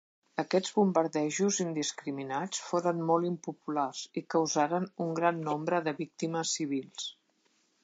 Aquests bombardejos indiscriminats foren molt impopulars i causaren un gran nombre de víctimes civils.